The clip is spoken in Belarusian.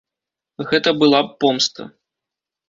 Гэта была б помста.